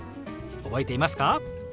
覚えていますか？